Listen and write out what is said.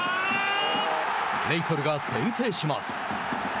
レイソルが先制します。